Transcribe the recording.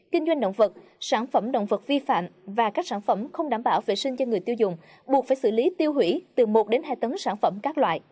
kinh doanh động vật sản phẩm động vật vi phạm và các sản phẩm không đảm bảo vệ sinh cho người tiêu dùng buộc phải xử lý tiêu hủy từ một đến hai tấn sản phẩm các loại